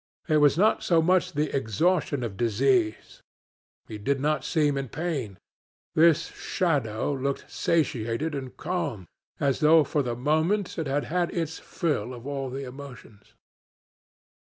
It was not so much the exhaustion of disease. He did not seem in pain. This shadow looked satiated and calm, as though for the moment it had had its fill of all the emotions.